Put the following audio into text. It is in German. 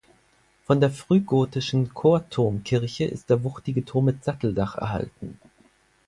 Von der frühgotischen Chorturmkirche ist der wuchtige Turm mit Satteldach erhalten.